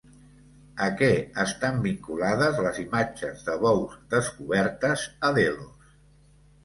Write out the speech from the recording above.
A què estan vinculades les imatges de bous descobertes a Delos?